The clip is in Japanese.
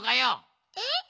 えっ？